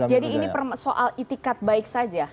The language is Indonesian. jadi ini soal itikat baik saja